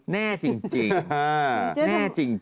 แน่จริง